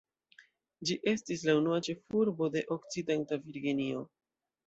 Ĝi estis la unua ĉefurbo de Okcidenta Virginio.